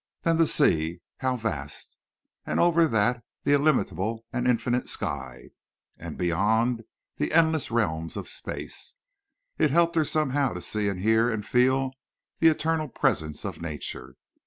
Then the sea—how vast! And over that the illimitable and infinite sky, and beyond, the endless realms of space. It helped her somehow to see and hear and feel the eternal presence of nature.